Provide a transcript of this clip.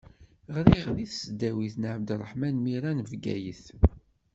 Ɣriɣ deg tesdawit Ɛebderreḥman Mira n Bgayet.